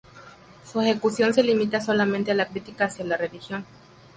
Su ejecución se limita solamente a la crítica hacia la religión.